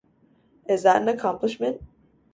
Is that an accomplishment?